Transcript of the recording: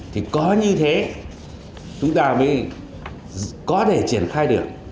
thì có như thế chúng ta mới có thể triển khai được